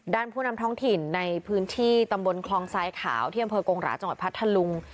ผู้นำท้องถิ่นในพื้นที่ตำบลคลองทรายขาวที่อำเภอกงหราจังหวัดพัทธลุง